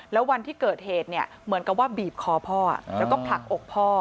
แล้ววันที่เกิดเหตุเนี่ยเหมือนกับว่าบีบคอพ่อแล้วก็ผลักอกพ่อ